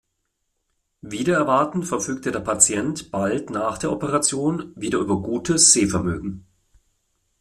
Wider Erwarten verfügte der Patient bald nach der Operation wieder über gutes Sehvermögen.